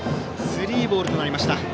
スリーボールとなりました。